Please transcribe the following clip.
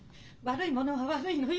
悪いものは悪いのよ！